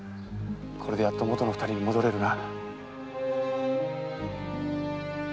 これでやっと元の二人に戻れるな。